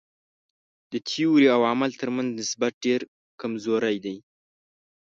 د تیورۍ او عمل تر منځ نسبت ډېر کمزوری دی.